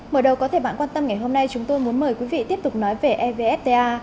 mở đầu có thể bạn quan tâm ngày hôm nay chúng tôi muốn mời quý vị tiếp tục nói về evfta